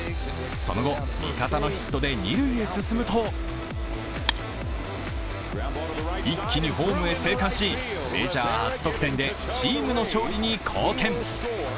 その後、味方のヒットで二塁へ進むと、一気にホームへ生還し、メジャー初得点でチームの勝利に貢献。